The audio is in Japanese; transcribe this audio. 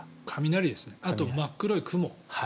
あと真っ黒い雲。